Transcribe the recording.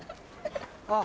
あっ。